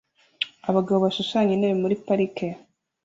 Abagabo bashushanya intebe muri parike